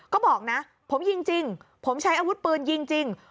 ก็บอกนะผมยิงจริงผมใช้อาวุธปืนยิงจริง